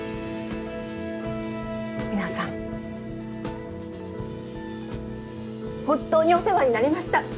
皆さん本当にお世話になりました。